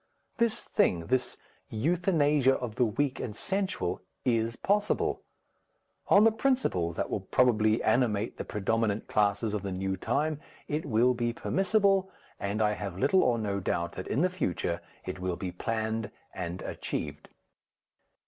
This thing, this euthanasia of the weak and sensual, is possible. On the principles that will probably animate the predominant classes of the new time, it will be permissible, and I have little or no doubt that in the future it will be planned and achieved.